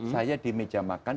saya di meja makan